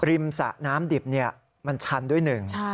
สะน้ำดิบมันชันด้วยหนึ่ง